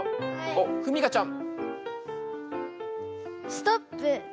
おっふみかちゃん。